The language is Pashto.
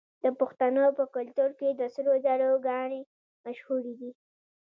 د پښتنو په کلتور کې د سرو زرو ګاڼې مشهورې دي.